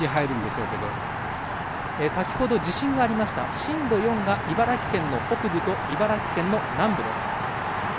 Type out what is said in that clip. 先ほど地震がありました震度４が茨城県の北部と茨城県の南部です。